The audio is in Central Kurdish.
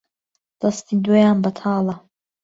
دەستی دۆیان بەتاڵە